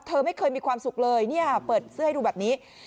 เธอไม่เคยมีความสุขเลยเนี่ยเปิดเสื้อให้ดูแบบนี้